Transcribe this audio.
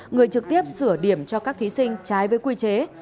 người trực tiếp sửa điểm cho các thí sinh trái với quy chế